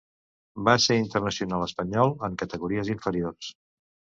Va ser internacional espanyol en categories inferiors.